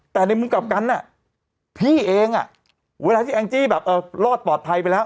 แต่ในมุมกลับกันพี่เองเวลาที่แองจี้แบบรอดปลอดภัยไปแล้ว